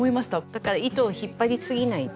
だから糸を引っ張りすぎないっていう。